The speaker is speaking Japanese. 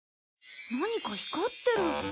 何か光ってる。